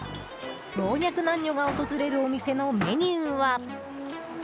老若男女が訪れるお店のメニューは。